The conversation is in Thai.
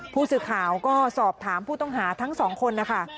ผู้สื่อข่าวก็สอบถามผู้ต้องหาทั้งสองคนนะคะ